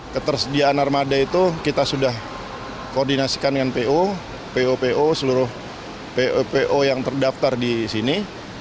ketersediaan armada itu kita sudah koordinasikan dengan po po seluruh popo yang terdaftar di sini